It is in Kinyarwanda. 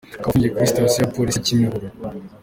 Akaba afungiye kuri station ya Polisi ya Kimihurura.